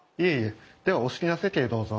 ではお好きな席へどうぞ。